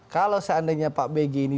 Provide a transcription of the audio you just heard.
kalau seandainya pak bg ini